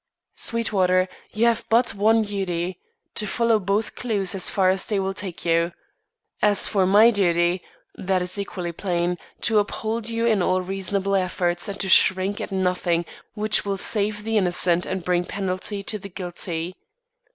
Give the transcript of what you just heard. "Sweetwater, you have but one duty to follow both clews as far as they will take you. As for my duty, that is equally plain, to uphold you in all reasonable efforts and to shrink at nothing which will save the innocent and bring penalty to the guilty.